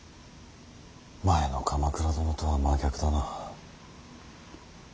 前の鎌倉殿とは真逆だな。